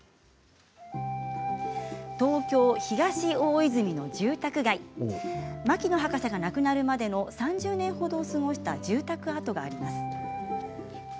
東京・東大泉の住宅街牧野博士が亡くなるまでの３０年程を過ごした住宅跡があります。